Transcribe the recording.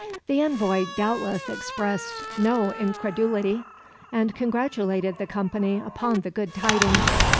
The envoy doubtless expressed no incredulity, and congratulated the company upon the good tidings.